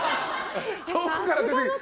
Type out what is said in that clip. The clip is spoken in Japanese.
遠くから出てきて。